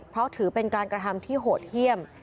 เพราะถือเป็นการกระทำที่โหดเยี่ยม